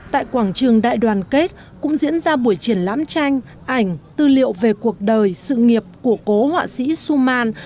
tại quảng trường đại đoàn kết cũng diễn ra buổi triển lãm tranh ảnh tư liệu về cuộc đời sự nghiệp của cố họa sĩ suman